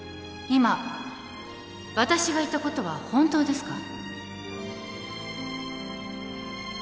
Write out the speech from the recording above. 今私が言ったことは本当ですか？